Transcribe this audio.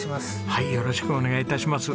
はいよろしくお願い致します。